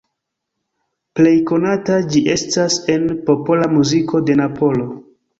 Plej konata ĝi estas en popola muziko de Napolo.